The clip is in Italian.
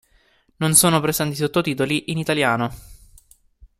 Non sono presenti sottotitoli in italiano.